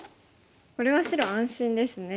これは白安心ですね。